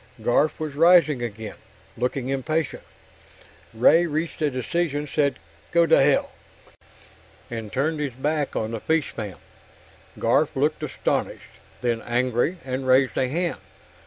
Garf was rising again, looking impatient. Ray reached a decision, said "Go to hell!", and turned his back on the fishman. Garf looked astonished, then angry, and raised a hand.